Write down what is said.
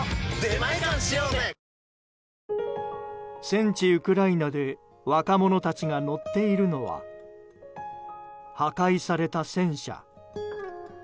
戦地ウクライナで若者たちが乗っているのは破壊された戦車。